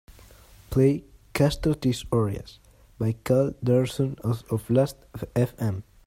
Play Kastro Tis Orias by Karl Denson off Lastfm.